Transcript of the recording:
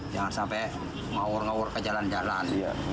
jangan sampai ngawur ngawur ke jalan jalan